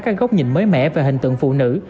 các góc nhìn mới mẻ về hình tượng phụ nữ